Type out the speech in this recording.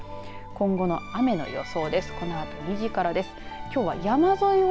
今後の雨の予想です。